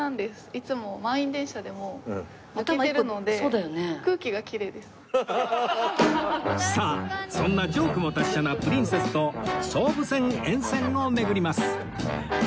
いつも満員電車でも抜けてるのでさあそんなジョークも達者なプリンセスと総武線沿線を巡ります